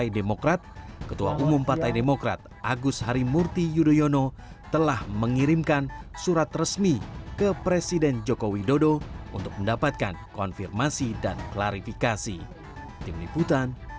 jalan proklamasi jatah pusat